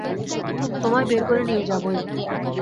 তোমায় বের করে নিয়ে যাবোই।